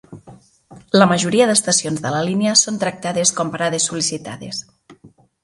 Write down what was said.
La majoria d"estacions de la línia són tractades com parades sol·licitades.